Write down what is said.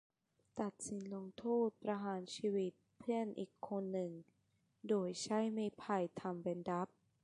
ตัดสินลงโทษประหารชีวิตเพื่อนอีกคนหนึ่งโดยใช้ไม่ไผ่ทำเป็นดาบ